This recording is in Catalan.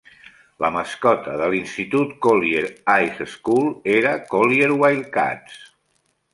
La mascota de l'institut Collyer High School era Collyer Wildcats.